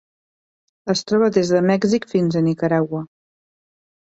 Es troba des de Mèxic fins a Nicaragua.